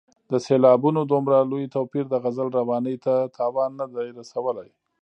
د سېلابونو دومره لوی توپیر د غزل روانۍ ته تاوان نه دی رسولی.